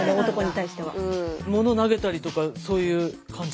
物投げたりとかそういう感じ？